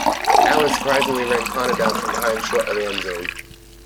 Allen surprisingly ran Conner down from behind short of the end zone.